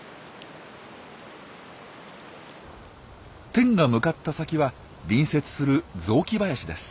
テンが向かった先は隣接する雑木林です。